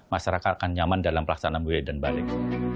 masyarakat akan nyaman dalam pelaksanaan mudik dan balik